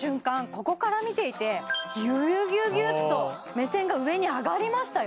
ここから見ていてギュギュギュギュッと目線が上に上がりましたよ